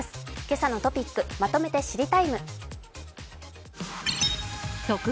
今朝のトピックまとめて「知りＴＩＭＥ，」。